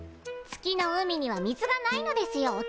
月の海には水がないのですよ